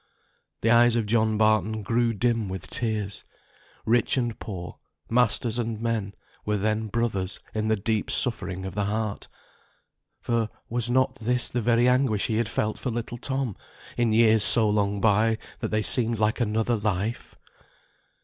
The eyes of John Barton grew dim with tears. Rich and poor, masters and men, were then brothers in the deep suffering of the heart; for was not this the very anguish he had felt for little Tom, in years so long gone by that they seemed like another life!